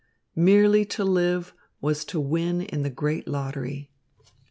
Merely to live was to win in the great lottery.